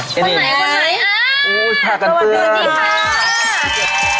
ที่ไหนที่ไหนอ่าอู๋ประวัติเบื้องประวัติเบื้องนี่ค่ะ